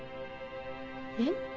えっ？